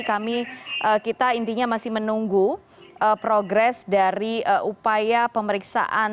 kami kita intinya masih menunggu progres dari upaya pemeriksaan